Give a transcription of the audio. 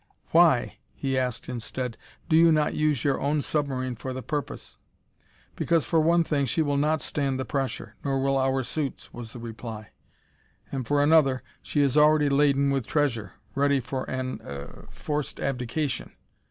"Why," he asked instead, "do you not use your own submarine for the purpose?" "Because for one thing, she will not stand the pressure, nor will our suits," was the reply. "And for another, she is already laden with treasure, ready for an er forced abdication!"